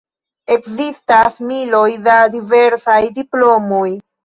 Ekzistas miloj da diversaj diplomoj.